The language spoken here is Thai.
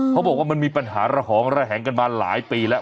เขาบอกว่ามันมีปัญหาระหองระแหงกันมาหลายปีแล้ว